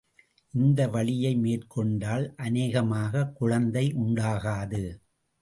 இந்த வழியை மேற்கொண்டால் அநேகமாகக் குழந்தை உண்டாகாது.